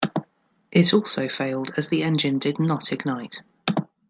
It also failed as the engine did not ignite.